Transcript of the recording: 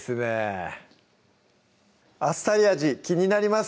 あっさり味気になります